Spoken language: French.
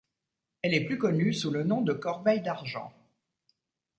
Elle est plus connue sous le nom de corbeille d'argent.